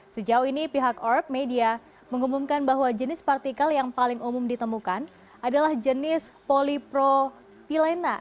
sejauh ini pihak orb media mengumumkan bahwa jenis partikel yang paling umum ditemukan adalah jenis polipropilena